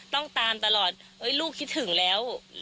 ต้องตามตลอดลูกคิดถึงแล้ว